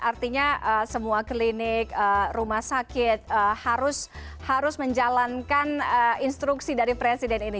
artinya semua klinik rumah sakit harus menjalankan instruksi dari presiden ini